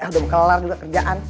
aduh kelar juga kerjaan